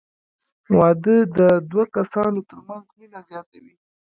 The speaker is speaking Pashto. • واده د دوه کسانو تر منځ مینه زیاتوي.